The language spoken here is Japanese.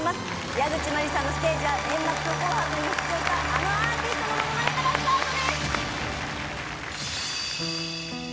矢口真里さんのステージは年末の『紅白』に出場したあのアーティストのモノマネからスタートです！